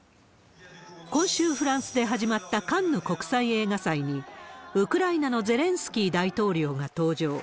今週、フランスで始まったカンヌ国際映画祭に、ウクライナのゼレンスキー大統領が登場。